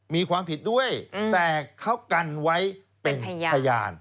มีความผิดด้วยแต่เขากันไว้เป็นพยาน